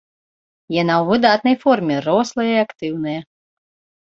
Яна ў выдатнай форме, рослая і актыўная.